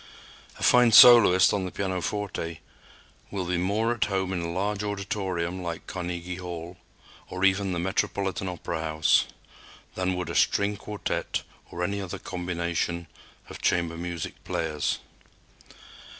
A fine soloist on the pianoforte will be more at home in a large auditorium like Carnegie Hall or even the Metropolitan Opera House than would a string quartet or any other combination of chamber music players.